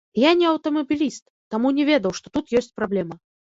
Я не аўтамабіліст, таму не ведаў, што тут ёсць праблема.